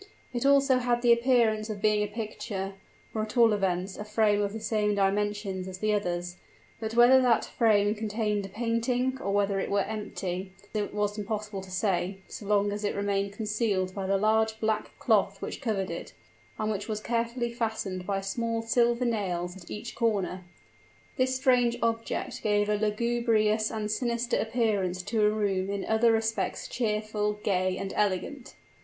It also had the appearance of being a picture or at all events a frame of the same dimensions as the others; but whether that frame contained a painting, or whether it were empty, it was impossible to say, so long as it remained concealed by the large black cloth which covered it, and which was carefully fastened by small silver nails at each corner. This strange object gave a lugubrious and sinister appearance to a room in other respects cheerful, gay, and elegant.